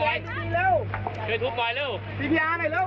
วิ่งเลย